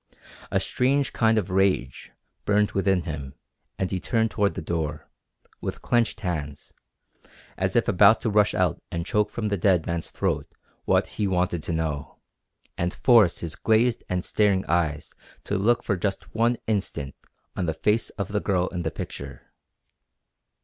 A strange kind of rage burned within him and he turned toward the door, with clenched hands, as if about to rush out and choke from the dead man's throat what he wanted to know, and force his glazed and staring eyes to look for just one instant on the face of the girl in the picture.